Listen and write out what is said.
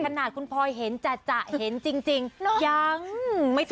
ขนาดคุณพลอยเห็นจะเห็นจริงยังไม่เจอ